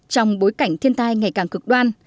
trong bối cảnh thiên tai ngày càng cực đoan